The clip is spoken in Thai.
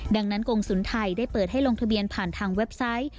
ดังนั้นกรงศูนย์ไทยได้เปิดให้ลงทะเบียนผ่านทางเว็บไซต์